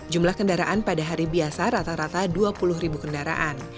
jumlah kendaraan pada hari biasa rata rata dua puluh ribu kendaraan